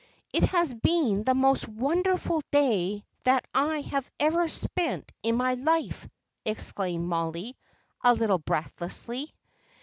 "It has been the most wonderful day that I have ever spent in my life!" exclaimed Molly, a little breathlessly.